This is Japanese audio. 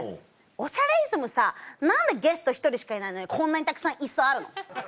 『おしゃれイズム』さ何でゲスト１人しかいないのにこんなにたくさん椅子あるの？